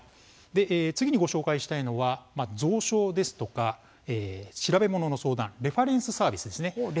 次にご紹介したいのが蔵書ですとか調べ物の相談レファレンスサービスです。